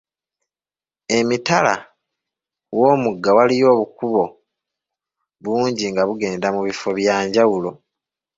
Emitala w'omugga waaliyo obukubo bungi nga bugenda mu bifo bya njawulo.